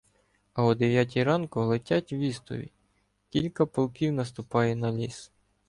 А о дев'ятій ранку летять вістові: кілька полків наступає на ліс.